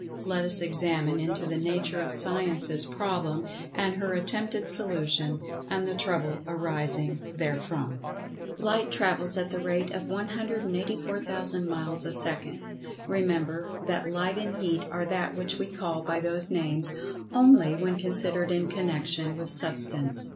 Let us examine into the nature of Science's problem, and her attempted solution, and the trouble arising therefrom. Light travels at the rate of 184,000 miles a second. Remember, that Light and Heat are that which we call by those names only when considered in connection with Substance.